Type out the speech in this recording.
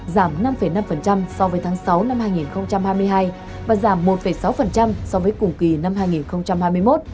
giá trị xuất khẩu gỗ và lâm sàn tháng sáu năm hai nghìn hai mươi hai và giảm một sáu so với cùng kỳ năm hai nghìn hai mươi một